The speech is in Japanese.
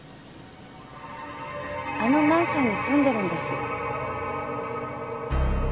あのマンションに住んでるんです。